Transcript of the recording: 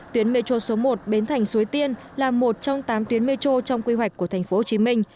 tuyến metro số một bến thành suối tiên là một trong tám tuyến metro trong quy hoạch của tp hcm